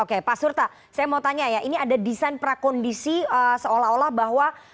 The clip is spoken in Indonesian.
oke pak surta saya mau tanya ya ini ada desain prakondisi seolah olah bahwa